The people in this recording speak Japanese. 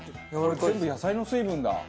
全部野菜の水分だ。